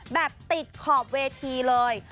แบบติดขอบเวทีเลย